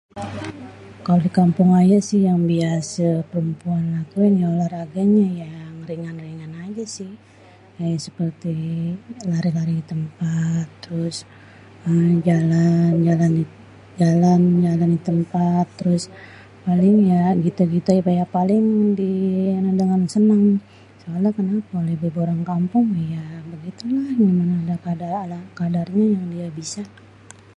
Kalo di kampung ayê sih yang biasê perempuan laki yang olahraganya yang ringan-ringan aja sih. Kayak seperti lari-lari di tempat terus jalan, jalan, jalan-jalan di tempat, terus paling ya gitu-gitu, ya paling di anu dengan senam. Soal kenapa? Kalo ibu-ibu orang kampung mah ya begitulah gimana ala kadarnya yang dia bisa.